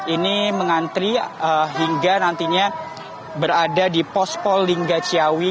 ini mengantri hingga nantinya berada di pos pol lingga siawi